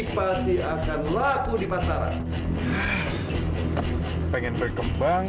ke sini sudah soal tim uang kamu ah